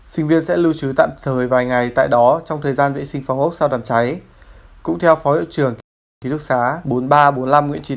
xin chào và hẹn gặp lại